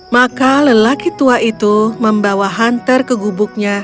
maka lelaki tua itu membawa hunter ke gubuknya